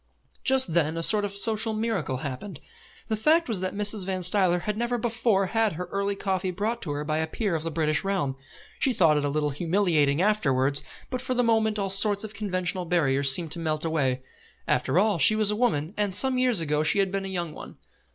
Just then a sort of social miracle happened. The fact was that Mrs. Van Stuyler had never before had her early coffee brought to her by a peer of the British Realm. She thought it a little humiliating afterwards, but for the moment all sorts of conventional barriers seemed to melt away. After all she was a woman, and some years ago she had been a young one.